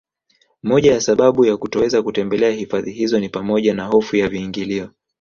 Moja ya sababu ya kutoweza kutembelea hifadhi hizo ni pamoja na hofu ya viingilio